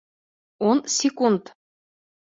Ун секунд!